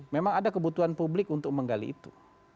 memang ada kebutuhan publik untuk menggali itu